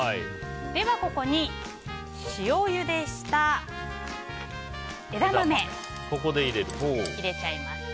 ではここに、塩ゆでした枝豆入れちゃいます。